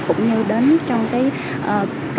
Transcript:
cũng như đến trong cái